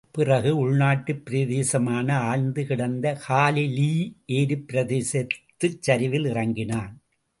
பிறகு உள்நாட்டு பிரதேசமான ஆழ்ந்து கிடந்த காலிலீ ஏரிப் பிரதேசத்துச் சரிவிலே இறங்கினான்.